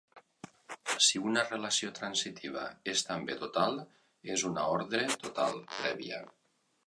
Si una relació transitiva és també total, és una ordre total prèvia.